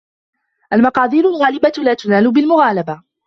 الْمَقَادِيرُ الْغَالِبَةُ لَا تُنَالُ بِالْمُغَالَبَةِ